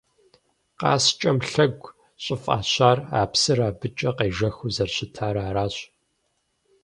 «Къаскӏэм лъэгу» щӏыфӏащар а псыр абыкӏэ къежэхыу зэрыщытар аращ.